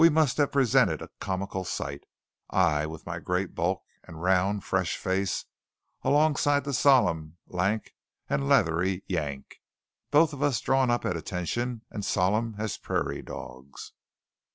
We must have presented a comical sight I with my great bulk and round, fresh face alongside the solemn, lank, and leathery Yank; both of us drawn up at attention, and solemn as prairie dogs.